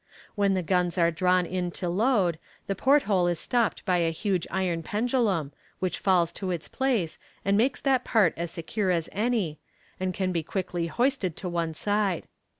When the guns are drawn in to load, the port hole is stopped by a huge iron pendulum, which falls to its place, and makes that part as secure as any, and can be quickly hoisted to one side.